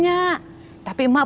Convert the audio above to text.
mak emang ke rumah